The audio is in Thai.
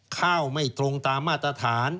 ข้าวไม่ตรงตามมาตรฐาน